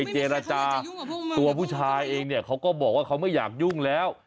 เจรจาตัวผู้ชายเองเนี่ยเขาก็บอกว่าเขาไม่อยากยุ่งแล้ว